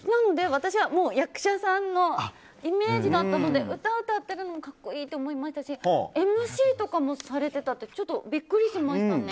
私は役者さんのイメージだったので歌を歌ってるのを格好いいと思いましたしＭＣとかをされていたってちょっとビックリしましたね。